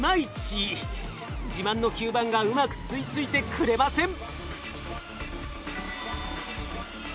自慢の吸盤がうまく吸い付いてくれません。